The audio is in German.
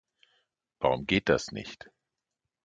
Warum geht das nicht?